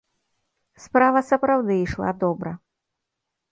Справа сапраўды ішла добра.